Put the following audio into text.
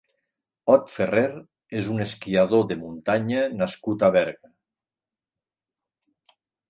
Ot Ferrer és un esquiador de muntanya nascut a Berga.